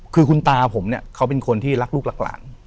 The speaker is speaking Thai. คือคุณตาผมเนี่ยเขาเป็นคนที่รักลูกรักหลาน